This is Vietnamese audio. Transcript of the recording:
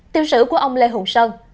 tiêu sử của ông lê hồng sơn